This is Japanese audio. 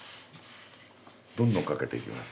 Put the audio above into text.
どんどん駆けていきます。